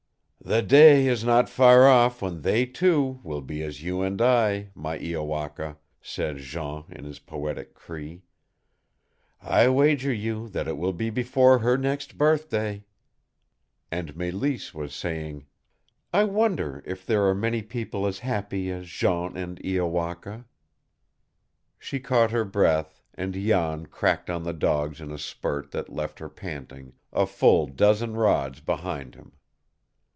"The day is not far off when they two will be as you and I, my Iowaka," said Jean in his poetic Cree. "I wager you that it will be before her next birthday!" And Mélisse was saying: "I wonder if there are many people as happy as Jean and Iowaka!" She caught her breath, and Jan cracked on the dogs in a spurt that left her panting, a full dozen rods behind him.